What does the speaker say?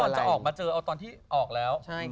นี่คือตอนจะออกมาเจอเอาตอนที่ออกแล้ว